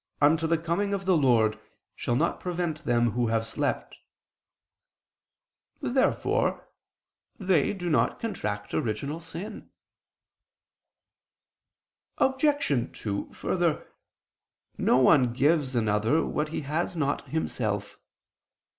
. unto the coming of the Lord, shall not prevent them who have slept." Therefore they do not contract original sin. Obj. 2: Further, no one gives another what he has not himself.